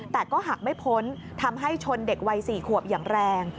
แต่ก็หักไม่พ้นทำให้ชนเด็กวัย๔ขวบอย่างแรง